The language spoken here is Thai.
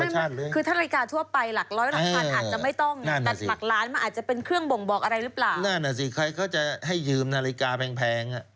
คุณว่าเนี่ยนาฬิกามีใครเขาให้ยืมกันมั้ย